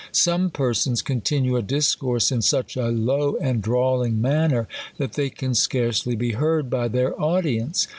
Some persons continue a discourse in such a low and drawling manner, that they can scarcely be heard by their audience.